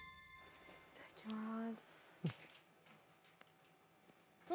いただきまーす